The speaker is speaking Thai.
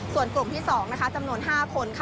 ส่วนกลุ่มที่๒จำนวน๕คน